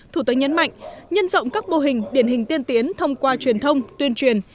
thủ tướng nhấn mạnh nhân rộng các mô hình điển hình tiên tiến thông qua truyền thông tuyên truyền